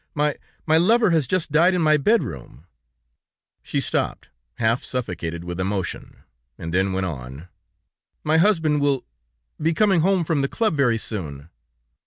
my... my lover has just died in my bedroom.' She stopped, half suffocated with emotion, and then went on: 'My husband will... be coming home from the club very soon.'